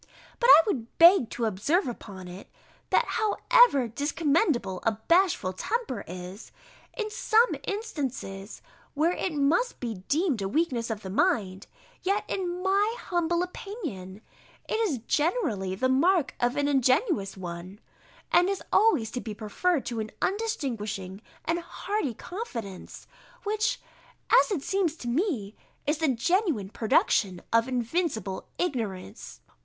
But I would beg to observe upon it, that however discommendable a bashful temper is, in some instances, where it must be deemed a weakness of the mind, yet, in my humble opinion, it is generally the mark of an ingenuous one, and is always to be preferred to an undistinguishing and hardy confidence, which, as it seems to me, is the genuine production of invincible ignorance.